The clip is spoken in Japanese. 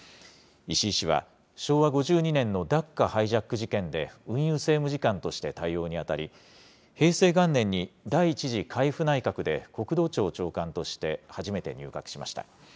石井氏は、昭和５２年のダッカ・ハイジャック事件で運輸政務次官として対応に当たり、平成元年に第１次海部内閣で国土庁長官として初めて入閣しました。